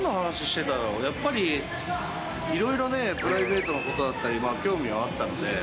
やっぱり、いろいろね、プライベートのことだったり、興味はあったので。